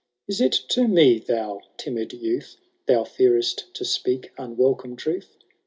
Is it to me, thou timid youth. Thou fear^ to speak unwelcome truth